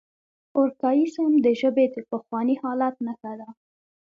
ارکائیزم د ژبې د پخواني حالت نخښه ده.